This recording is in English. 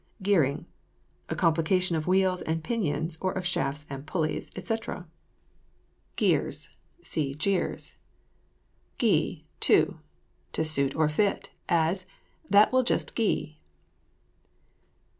GEARING. A complication of wheels and pinions, or of shafts and pulleys, &c. GEARS. See JEERS. GEE, TO. To suit or fit; as, "that will just gee."